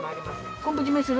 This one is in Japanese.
昆布締めする？